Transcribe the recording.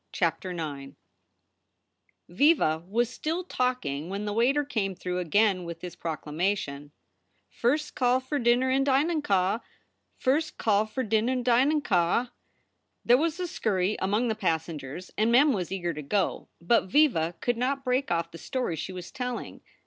CHAPTER IX VIVA was still talking when the waiter came through again with his proclamation: "Fir scall fr dinner n dine caw! Fir scall fr din dine caw!" There was a scurry among the passengers and Mem was eager to go, but Viva could not break off the story she was telling.